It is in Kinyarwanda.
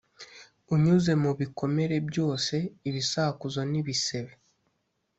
unyuze mu bikomere byose, ibisakuzo n'ibisebe